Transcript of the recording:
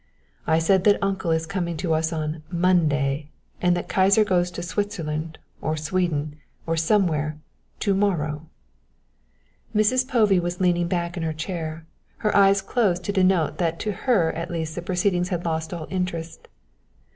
"I said that uncle is coming to us on Monday, and that Kyser goes to Switzerland or Sweden, or somewhere to morrow." Mrs. Povey was leaning back in her chair, her eyes closed to denote that to her at least the proceedings had lost all interest.